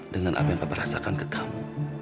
dengan apa yang bapak rasakan ke kamu